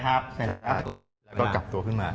แล้วก็กลับตัวขึ้นมา